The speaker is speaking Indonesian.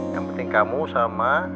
yang penting kamu sama